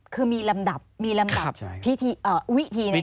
คือมีลำดับมีลำดับวิธีในการทำ